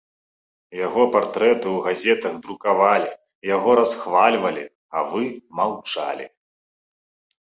Яго партрэты ў газетах друкавалі, яго расхвальвалі, а вы маўчалі.